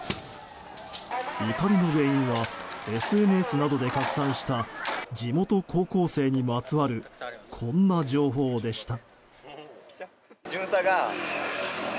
怒りの原因はＳＮＳなどで拡散した地元高校生にまつわるこんな情報でした。